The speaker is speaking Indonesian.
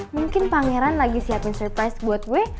mungkin pangeran lagi siapin surprise buat gue